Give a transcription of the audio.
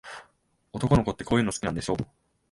男の子って、こういうの好きなんでしょ。